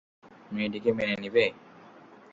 মেয়েটিকে মেনে নিবে?